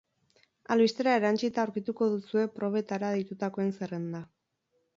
Albistera erantsita aurkituko duzue probetara deitutakoen zerrenda.